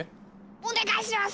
お願いします！